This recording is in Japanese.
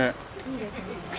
いいですね。